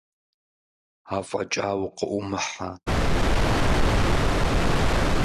Афӏэкӏа укъыӏумыхьэ.